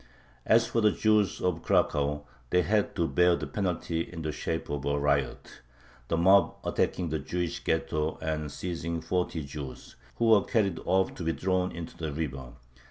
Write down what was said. As for the Jews of Cracow, they had to bear the penalty in the shape of a riot, the mob attacking the Jewish ghetto and seizing forty Jews, who were carried off to be thrown into the river.